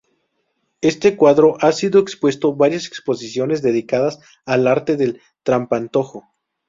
Este cuadro ha sido expuesto varias exposiciones dedicadas al arte del trampantojo.